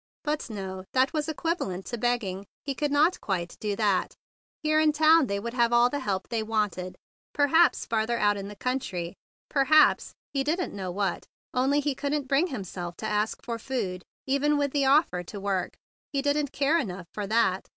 But no. That was equivalent to begging. He could not quite do that. Here in town they would have all the help they wanted. Perhaps, farther out in the country—perhaps—he didn't know what; only he couldn't bring himself to ask for food, even with the offer to work. He didn't care enough for that.